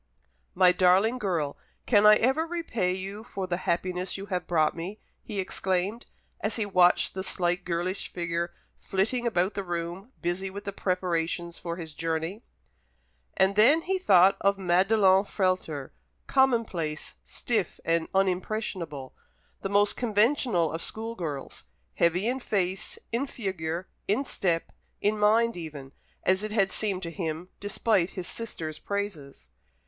"My darling girl, can I ever repay you for the happiness you have brought me!" he exclaimed, as he watched the slight girlish figure flitting about the room, busy with the preparations for his journey. And then he thought of Madelon Frehlter commonplace, stiff, and unimpressionable the most conventional of school girls, heavy in face, in figure, in step, in mind even, as it had seemed to him, despite his sister's praises.